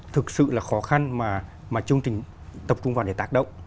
thực sự là khó khăn mà chương trình tập trung vào để tác động